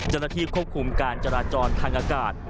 จนที่ควบคุมการจราจรทางอากาศ